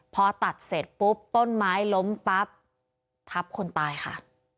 พอตัดเสร็จปุ๊บต้นไม้ล้มปั๊บทับคนตายค่ะ